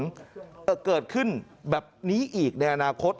มันเกิดขึ้นแบบนี้อีกในอนาคต